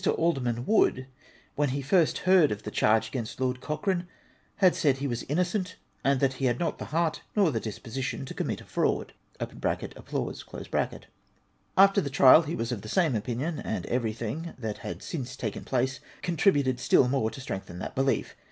Alderman Wood, when he first heard of the charge against Lord Cochrane, had said he was innocent, and that he had not the heart nor the disposition to commit a fraud {applause). After the trial he was of the same opinion, and everything that had since taken place contributed still more to strengthen that belief.